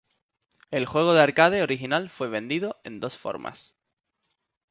El juego de arcade original fue vendido en dos formas.